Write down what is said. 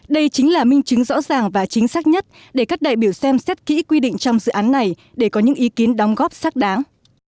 đây chính là minh chứng rõ ràng và chính xác nhất để các đại biểu xem xét kỹ quy định trong dự án này để có những ý kiến đóng góp xác đáng